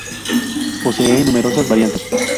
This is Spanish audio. Posee numerosas variantes.